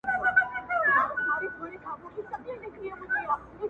• نیم وجود دي په زړو جامو کي پټ دی -